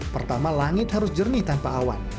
pertama langit harus jernih tanpa awan